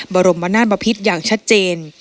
บรมนาตรปภิษฐ์อย่างชัดเจน